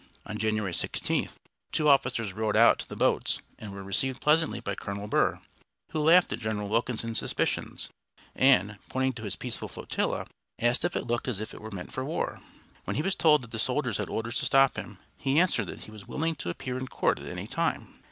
On January 16th two officers rowed out to the boats, and were received pleasantly by Colonel Burr, who laughed at General Wilkinson's suspicions, and, pointing to his peaceful flotilla, asked if it looked as if it were meant for war? When he was told that the soldiers had orders to stop him, he answered that he was willing to appear in court at any time.